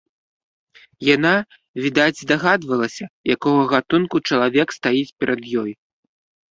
Яна, відаць, здагадвалася, якога гатунку чалавек стаіць перад ёй.